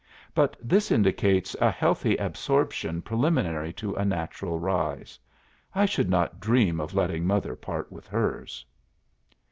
But this indicates a healthy absorption preliminary to a natural rise. I should not dream of letting mother part with hers.